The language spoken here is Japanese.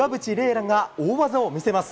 楽が大技を見せます。